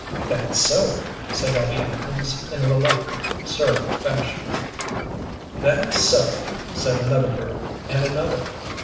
"That's so," said Abby Atkins, in a reluctant, surly fashion. "That's so," said another girl, and another.